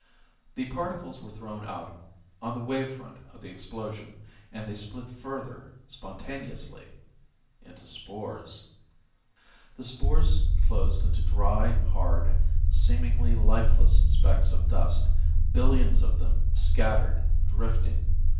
The particles were thrown out on the wave front of the explosion, and they split further, spontaneously. Into spores. The spores closed into dry, hard, seemingly lifeless specks of dust, billions of them, scattered, drifting.